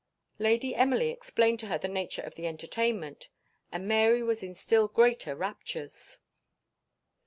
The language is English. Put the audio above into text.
Lady Emily explained to her the nature of the entertainment, and Mary was in still greater raptures.